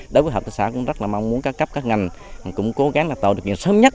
đối với hợp tác xã cũng rất là mong muốn các cấp các ngành cũng cố gắng là tạo được việc sớm nhất